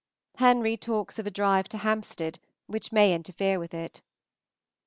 Henry talks of a drive to Hampstead, which may interfere with it.